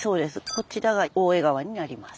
こちらが大江川になります。